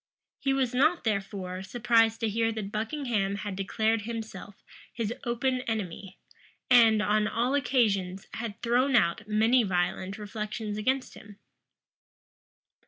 He was not, therefore, surprised to hear that Buckingham had declared himself his open enemy, and, on all occasions, had thrown out many violent reflections against him.